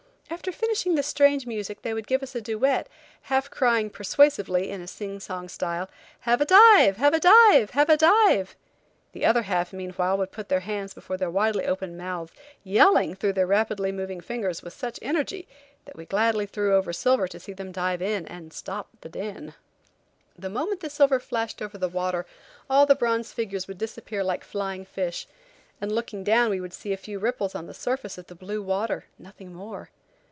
After finishing this strange music they would give us a duet, half crying, persuasively, in a sing song style: "Have a dive! Have a dive! Have a dive!" The other half, meanwhile, would put their hands before their widely opened mouths, yelling through their rapidly moving fingers with such energy that we gladly threw over silver to see them dive and stop the din. The moment the silver flashed over the water all the bronze figures would disappear like flying fish, and looking down we would see a few ripples on the surface of the blue water–nothing more.